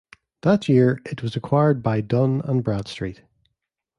That year, it was acquired by Dun and Bradstreet.